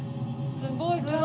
すごい！